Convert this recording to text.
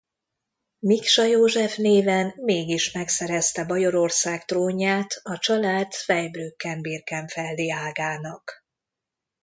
Miksa József néven mégis megszerezte Bajorország trónját a család zweibrücken-birkenfeldi ágának.